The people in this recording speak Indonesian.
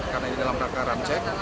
karena ini dalam rangka ram cek